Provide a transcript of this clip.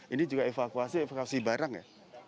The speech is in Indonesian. ini juga evakuasi evakuasi barang ya